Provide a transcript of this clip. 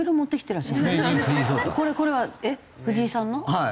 はい。